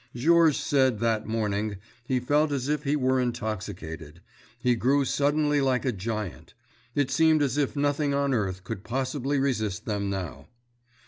Georges said that morning he felt as if he were intoxicated; he grew suddenly like a giant. It seemed as if nothing on earth could possibly resist them, now.